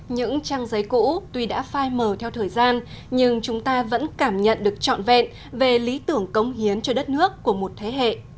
những trang giấy cũ tuy đã phai mờ theo thời gian nhưng chúng ta vẫn cảm nhận được trọn vẹn về lý tưởng công hiến cho đất nước của một thế hệ